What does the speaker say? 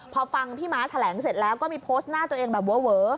พอฟังพี่ม้าแถลงเสร็จแล้วก็มีโพสต์หน้าตัวเองแบบเวอ